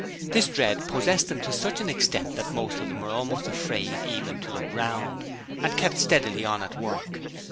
This dread possessed them to such an extent that most of them were almost afraid even to look round, and kept steadily on at work.